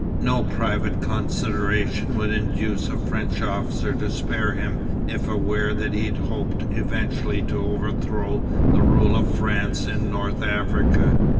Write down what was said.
No private consideration would induce a French officer to spare him, if aware that he hoped eventually to overthrow the rule of France in North Africa.